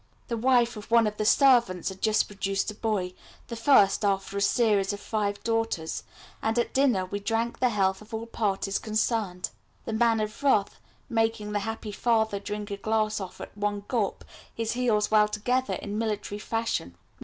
The wife of one of the servants had just produced a boy, the first after a series of five daughters, and at dinner we drank the health of all parties concerned, the Man of Wrath making the happy father drink a glass off at one gulp, his heels well together in military fashion.